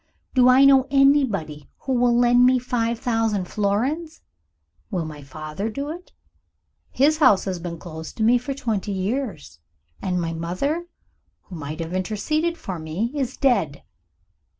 Do I know anybody who will lend me five thousand florins? Will my father do it? His house has been closed to me for twenty years and my mother, who might have interceded for me, is dead.